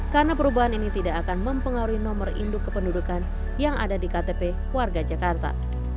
karena perubahan ini tidak akan mempengaruhi nomor induk kependudukan yang ada di ktp warga jakarta